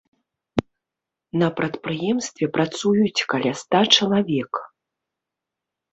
На прадпрыемстве працуюць каля ста чалавек.